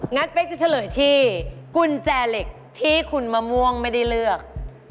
เป๊กจะเฉลยที่กุญแจเหล็กที่คุณมะม่วงไม่ได้เลือก